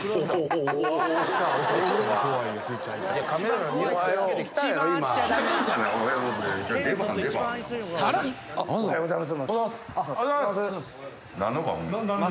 おはようございます。